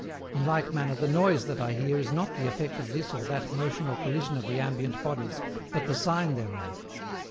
In like manner the noise that I hear is not the effect of this or that motion or collision of the ambient bodies, but the sign thereof.